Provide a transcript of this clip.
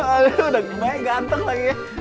aduh udah lumayan ganteng lagi ya